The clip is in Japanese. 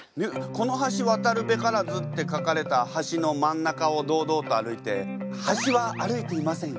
「このはしわたるべからず」って書かれた橋の真ん中を堂々と歩いて「はしは歩いていません。